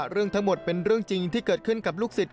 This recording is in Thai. เรื่องทั้งหมดเป็นเรื่องจริงที่เกิดขึ้นกับลูกศิษย